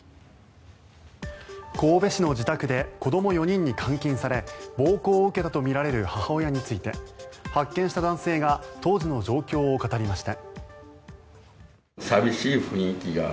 神戸市の自宅で子ども４人に監禁され暴行を受けたとみられる母親について発見した男性が当時の状況を語りました。